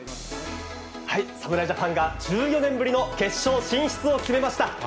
侍ジャパンが１４年ぶりの決勝進出を決めました。